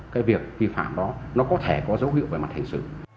cái việc vi phạm đó nó có thể có dấu hiệu về mặt hành xử